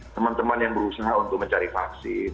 teman teman yang berusaha untuk mencari vaksin